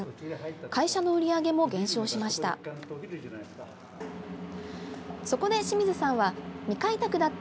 会社の売り上げも減少しました。